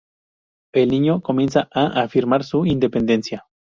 El niño comienza a afirmar su independencia.